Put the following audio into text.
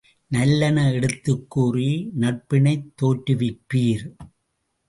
நல்லன எடுத்துக் கூறி நட்பினைத் தோற்றுவிப்பீர்!